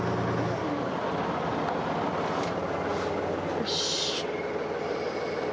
よし。